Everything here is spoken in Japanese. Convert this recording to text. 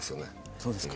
そうですか？